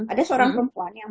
ada seorang perempuan yang